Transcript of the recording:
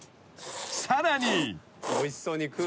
［さらに］